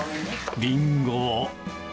リンゴを。